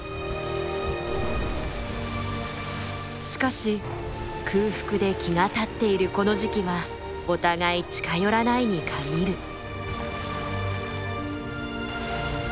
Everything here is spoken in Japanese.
しかし空腹で気が立っているこの時期はお互い近寄らないに限る。